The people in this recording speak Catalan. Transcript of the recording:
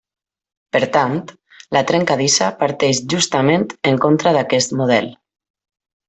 Per tant, la trencadissa parteix justament en contra d'aquest model.